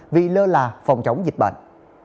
vì lơ là phòng chống dịch bệnh